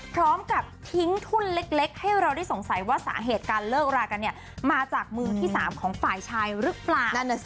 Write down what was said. พร้อมกับทิ้งทุ่นเล็กให้เราได้สงสัยว่าสาเหตุการเลิกรากันมาจากมือที่๓ของฝ่ายชายหรือเปล่า